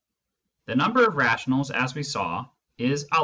The number of rationals, as we saw, is M